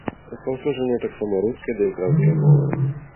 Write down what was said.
Распаўсюджаныя таксама руская і украінская мовы.